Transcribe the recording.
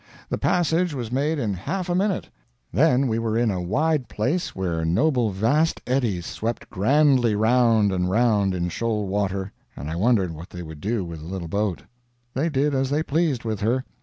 The passage was made in half a minute; then we were in a wide place where noble vast eddies swept grandly round and round in shoal water, and I wondered what they would do with the little boat. They did as they pleased with her.